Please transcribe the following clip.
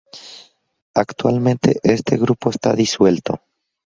Actualmente este grupo está disuelto.